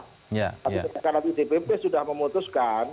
tapi sekarang cpp sudah memutuskan